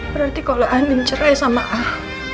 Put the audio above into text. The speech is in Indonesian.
berarti kalau andin cerai sama ah